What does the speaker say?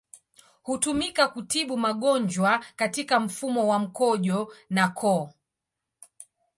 Hutumika kutibu magonjwa katika mfumo wa mkojo na koo.